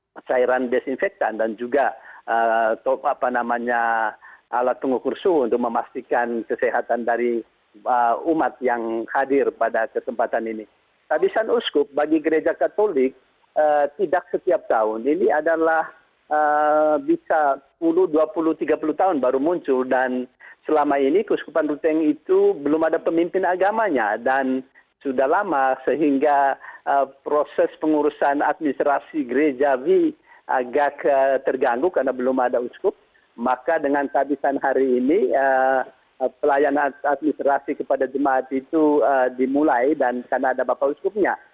maka dengan kehabisan hari ini pelayanan administrasi kepada jemaat itu dimulai dan karena ada bapak uskupnya